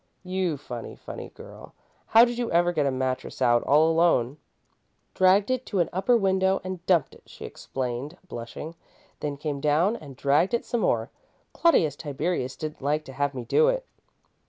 "You funny, funny girl! How did you ever get a mattress out, all alone?" "Dragged it to an upper window and dumped it," she explained, blushing, "then came down and dragged it some more. Claudius Tiberius didn't like to have me do it."